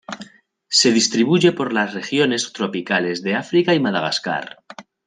Se distribuye por las regiones tropicales de África y Madagascar.